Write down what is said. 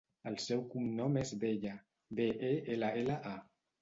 El seu cognom és Bella: be, e, ela, ela, a.